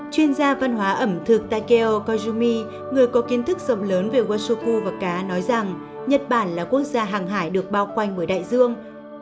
chuyên gia văn hóa ẩm thực takeo kojumi người có kiến thức rộng lớn về washoku và cá nói rằng nhật bản là quốc gia hàng hải được bao quanh mười đại dương